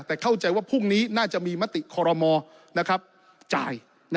แต่เข้าใจว่าพรุ่งนี้น่าจะมีมติคอรมอจ่าย